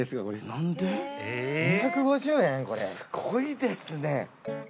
すごいですね。